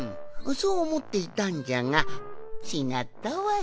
そうおもっていたんじゃがちがったわい。